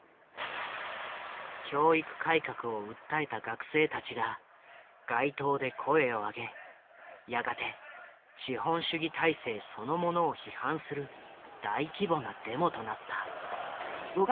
教育改革を訴えた学生たちが街頭で声を上げやがて資本主義体制そのものを批判する大規模なデモとなった。